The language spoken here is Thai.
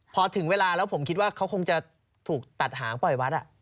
พอถึงเวลาแล้วผมคิดว่าเขาคงจะถูกตัดหางปล่อยวัด